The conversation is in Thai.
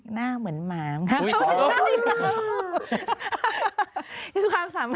หน้าเหมือนหมา